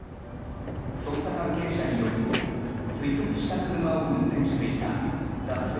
捜査関係者によると追突した車を運転していた男性